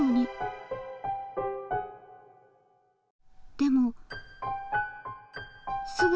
でも。